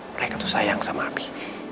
mereka tuh sayang sama abi